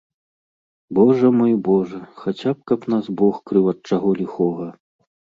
Божа мой, божа, хаця каб нас бог крыў ад чаго ліхога.